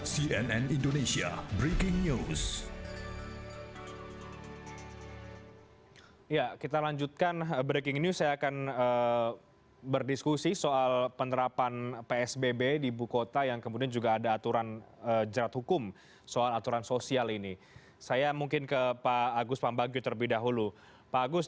cnn indonesia breaking news